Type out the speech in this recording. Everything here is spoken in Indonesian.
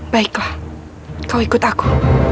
baiklah kau ikut aku